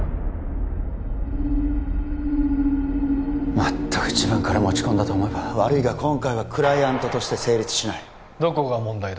まったく自分から持ち込んだと思えば悪いが今回はクライアントとして成立しないどこが問題だ？